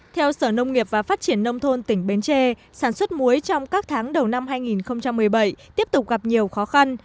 theo sở nông nghiệp và phát triển nông thôn tỉnh bến tre sản xuất muối trong các tháng đầu năm hai nghìn một mươi bảy tiếp tục gặp nhiều khó khăn